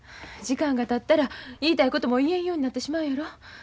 時間がたったら言いたいことも言えんようになってしまうやろ。